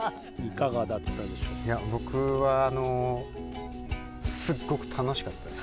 僕はすっごく楽しかったです。